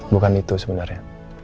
bukan itu sebenarnya